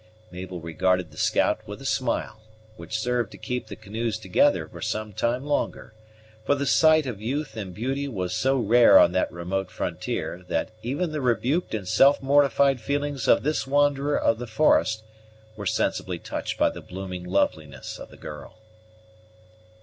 Mabel rewarded the scout with a smile, which served to keep the canoes together for some time longer; for the sight of youth and beauty was so rare on that remote frontier, that even the rebuked and self mortified feelings of this wanderer of the forest were sensibly touched by the blooming loveliness of the girl.